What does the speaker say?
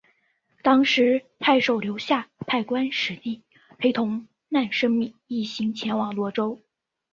当时太守刘夏派官吏陪同难升米一行前往洛阳。